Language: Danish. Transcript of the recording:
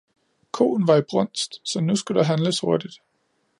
Koen var i brunst, så nu skulle der handles hurtigt